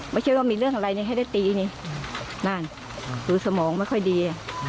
ไม่ใช่ว่ามีเรื่องอะไรนี่ให้ได้ตีนี่นั่นคือสมองไม่ค่อยดี